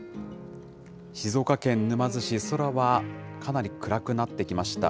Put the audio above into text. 静岡県沼津市、空はかなり暗くなってきました。